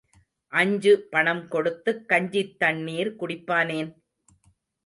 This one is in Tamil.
அஞ்சு பணம் கொடுத்துக் கஞ்சித் தண்ணீர் குடிப்பானேன்?